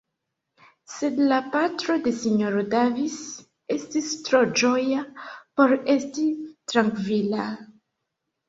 Sed la patro de S-ro Davis estis tro ĝoja por esti trankvila.